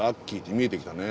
見えてきましたね。